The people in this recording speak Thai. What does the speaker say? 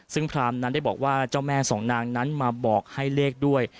ซึ่งพรามนั้นได้บอกว่าเจ้าแม่สองนางนั้นมาบอกให้เลขด้วย